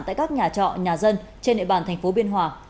tại các nhà trọ nhà dân trên địa bàn thành phố biên hòa